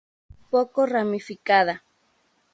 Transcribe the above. Poco ramificada.